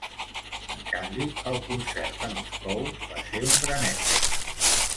En canvi el concert a Moscou va ser un gran èxit.